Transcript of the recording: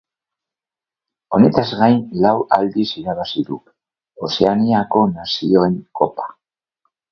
Honetaz gain lau aldiz irabazi du Ozeaniako Nazioen Kopa.